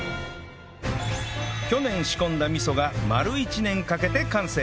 去年仕込んだ味噌が丸１年かけて完成